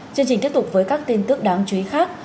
chương trình tiếp tục với các tin tức đáng chú ý khác